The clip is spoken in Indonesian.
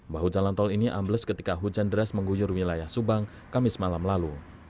bahu jalan tol ini ambles ketika hujan deras mengguyur wilayah subang kamis malam lalu